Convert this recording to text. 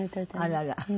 あらら。